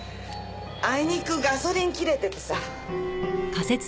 あいにくガソリン切れててさ。